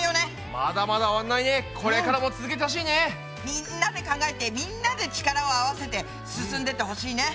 みんなで考えてみんなで力を合わせて進んでってほしいね。